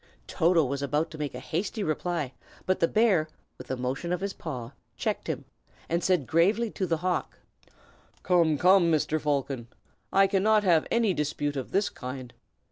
Toto was about to make a hasty reply, but the bear, with a motion of his paw, checked him, and said gravely to the hawk, "Come, come! Mr. Falcon, I cannot have any dispute of this kind.